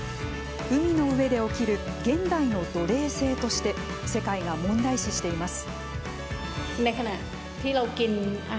海の上で起きる現代の奴隷制として世界が問題視しています。